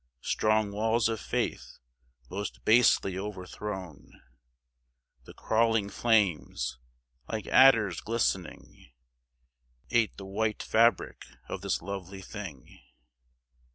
Strong walls of faith, most basely overthrown! The crawling flames, like adders glistening Ate the white fabric of this lovely thing.